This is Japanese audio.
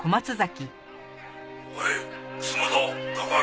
「おい！